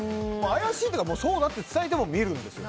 怪しいというか、そうだって伝えても見るんです。